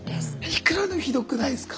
いくら何でもひどくないですか？